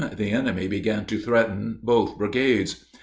the enemy began to threaten both brigades.